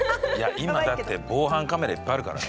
今だって防犯カメラいっぱいあるからね。